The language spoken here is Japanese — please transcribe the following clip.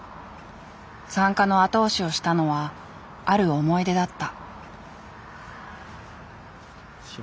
参加の後押しをしたのはある思い出だった。